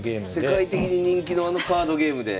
世界的に人気のあのカードゲームで。